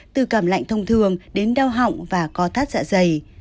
từ cảm lạnh thông thường đến đau họng và co thắt dạ dày